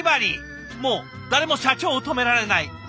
もう誰も社長を止められない。